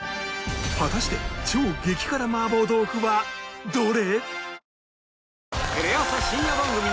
果たして超激辛麻婆豆腐はどれ？